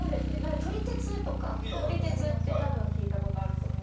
「撮り鉄」とか「乗り鉄」って多分聞いた事あると思う。